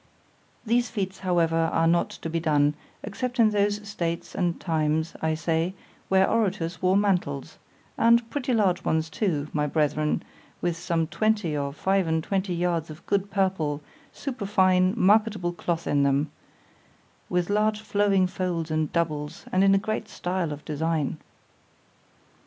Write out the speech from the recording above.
These feats however are not to be done, except in those states and times, I say, where orators wore mantles——and pretty large ones too, my brethren, with some twenty or five and twenty yards of good purple, superfine, marketable cloth in them—with large flowing folds and doubles, and in a great style of design.